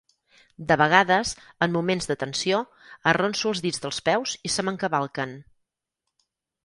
De vegades, en moments de tensió, arronso els dits dels peus i se m'encavalquen.